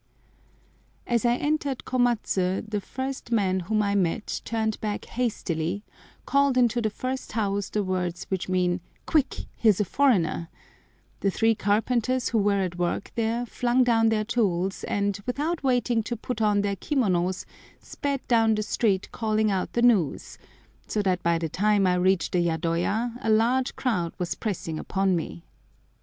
As I entered Komatsu the first man whom I met turned back hastily, called into the first house the words which mean "Quick, here's a foreigner;" the three carpenters who were at work there flung down their tools and, without waiting to put on their kimonos, sped down the street calling out the news, so that by the time I reached the yadoya a large crowd was pressing upon me.